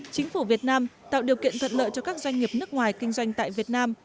chính phủ việt nam tạo điều kiện thuận lợi cho các doanh nghiệp nước ngoài kinh doanh tại việt nam